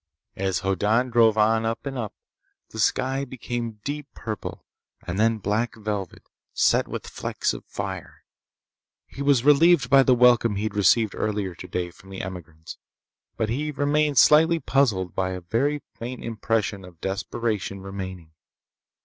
As Hoddan drove on up and up, the sky became deep purple and then black velvet set with flecks of fire. He was relieved by the welcome he'd received earlier today from the emigrants, but he remained slightly puzzled by a very faint impression of desperation remaining.